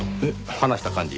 話した感じ